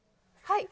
はい。